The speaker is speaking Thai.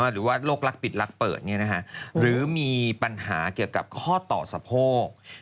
หรือว่าโรครักปิดลักเปิดหรือมีปัญหาเกี่ยวกับข้อต่อสะโพก